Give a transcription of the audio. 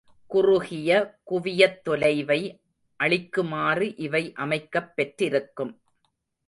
குறுகிய குவியத் தொலைவை அளிக்குமாறு இவை அமைக்கப் பெற்றிருக்கும்.